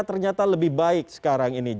ternyata lebih baik sekarang ini